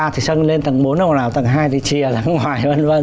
thì chân lên tầng bốn ông nào ở tầng hai thì chia ra ngoài vân vân